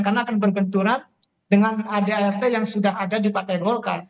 karena akan berbenturan dengan adrt yang sudah ada di partai golkar